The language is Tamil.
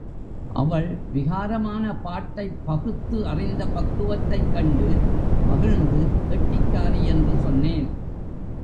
அவள் விகாரமான பாட்டைப் பகுத்து அறிந்த பக்குவத்தைக் கண்டு மகிழ்ந்து கெட்டிக்காரி என்று சொன்னேன்.